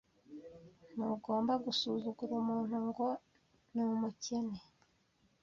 Ntugomba gusuzugura umuntu ngo ni umukene.